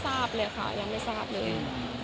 อันนี้ยังไม่ทราบเลยอะค่ะ